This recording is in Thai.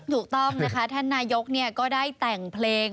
ถูกต้องนะคะท่านนายกก็ได้แต่งเพลง